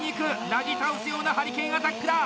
なぎ倒すようなハリケーンアタックだ！